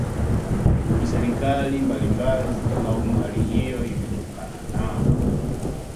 huku serikali mbalimbali zikilaumu hali hiyo imetokana na